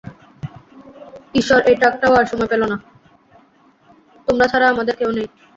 তোমরা ছাড়া আমাদের কেউ নেই।